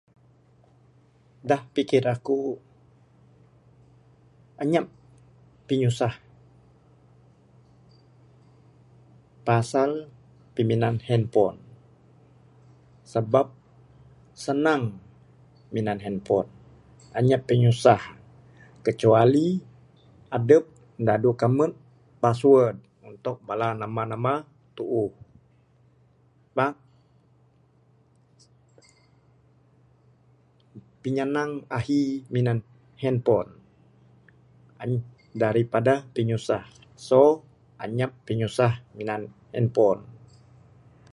Dak pikir aku inyap pinyusah pasal piminan handphone, sabab senang minan handphone inyap pinyusah kecuali adep dadu kambet password untuk bala nemba tuuh. Pak pinyenang ahi minan handphone, daripada pinyusah so inyap pinyusah minan handphone.